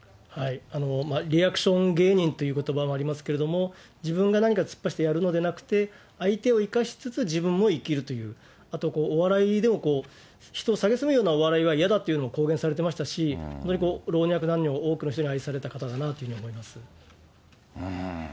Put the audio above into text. リアクション芸人ということばもありますけども、自分が何か突っ走ってやるのではなくて、相手を生かしつつ自分も生きるという、あとこう、お笑いでも人をさげすむようなお笑いは嫌だというのを公言されてましたし、本当に老若男女、多くの人に愛された方だなというふうに思います。